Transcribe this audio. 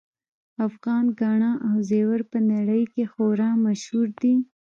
افغان ګاڼه او زیور په نړۍ کې خورا مشهور دي